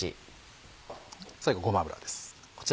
最後ごま油です。